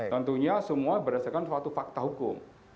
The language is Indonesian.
tentunya semua berdasarkan suatu fakta hukum